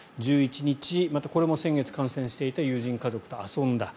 １１日、これも先月感染していた友人家族と遊んだ。